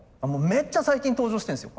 めっちゃ最近登場してるんですよ